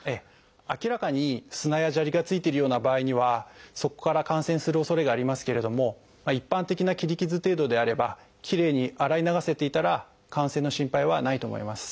明らかに砂や砂利が付いてるような場合にはそこから感染するおそれがありますけれども一般的な切り傷程度であればきれいに洗い流せていたら感染の心配はないと思います。